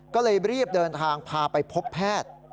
ก็เลยรีบเดินทางพาไปพบแพทย์